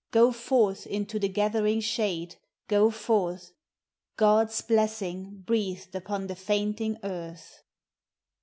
Go forth into the gathering shade; go forth, God's blessing breathed upon the fainting earth!